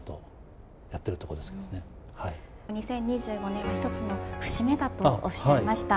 ２０２５年、一つの節目だとおっしゃいました。